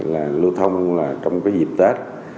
là lưu thông trong dịp tết